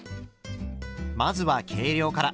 まずは計量から。